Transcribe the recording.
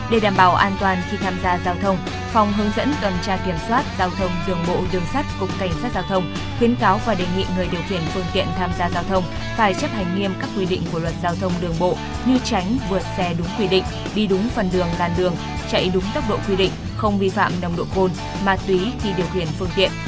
để đảm bảo an toàn khi tham gia giao thông phòng hướng dẫn tuần tra kiểm soát giao thông đường bộ đường sắt cục cảnh sát giao thông khuyến cáo và đề nghị người điều khiển phương tiện tham gia giao thông phải chấp hành nghiêm các quy định của luật giao thông đường bộ như tránh vượt xe đúng quy định đi đúng phần đường gàn đường chạy đúng tốc độ quy định không vi phạm nồng độ cồn mà tùy khi điều khiển phương tiện